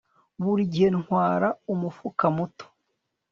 Buri gihe ntwara umufuka muto